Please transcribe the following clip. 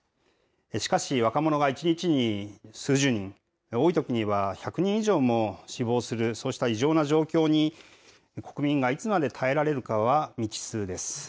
しかし、若者が１日に数十人、多いときには１００人以上も死亡する、そうした異常な状況に国民がいつまで耐えられるかは未知数です。